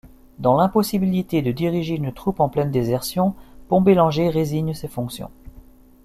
Dans l'impossibilité de diriger une troupe en pleine désertion, Pontbellanger résigne ses fonctions.